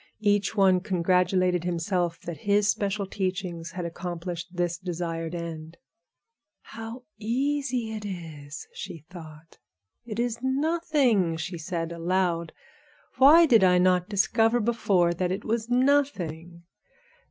Each one congratulated himself that his special teachings had accomplished this desired end. "How easy it is!" she thought. "It is nothing," she said aloud; "why did I not discover before that it was nothing.